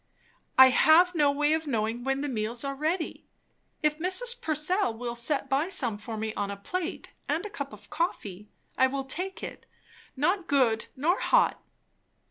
"I have no way of knowing when the meals are ready. If Mrs. Purcell will set by some for me on a plate, and a cup of coffee, I will take it, not good nor hot."